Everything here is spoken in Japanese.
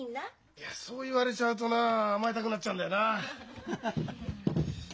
いやそう言われちゃうとな甘えたくなっちゃうんだよなハハハ。